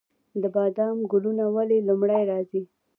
د بادام ګلونه ولې لومړی راځي؟